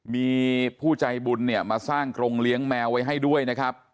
มีผู้ใจบุญเนี่ยมาสร้างกรงเลี้ยงแมวไว้ให้ด้วยนะครับ